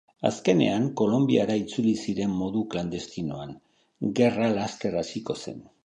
Azkenean, Kolonbiara itzuli ziren modu klandestinoan, gerra laster hasiko zen.